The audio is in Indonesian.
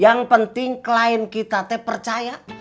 yang penting klien kita teh percaya